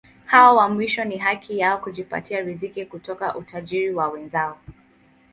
Hao wa mwisho ni haki yao kujipatia riziki kutoka utajiri wa wenzao.